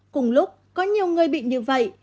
cùng lúc có nhiều người bị như vậy